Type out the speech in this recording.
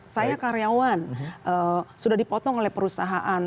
saya karyawan sudah dipotong oleh perusahaan